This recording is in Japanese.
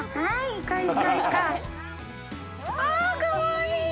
はい。